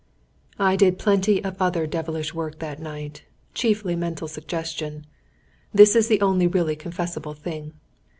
"I did plenty of other devilish work that night chiefly mental suggestion. This is the only really confessable thing.